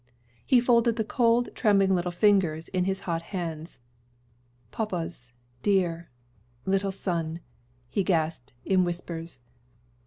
He folded the cold, trembling little fingers in his hot hands. "Papa's dear little son!" he gasped in whispers.